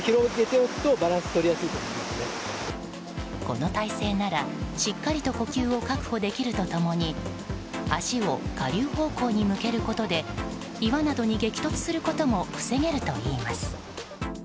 この体勢なら、しっかりと呼吸を確保できると共に足を下流方向に向けることで岩などに激突することも防げるといいます。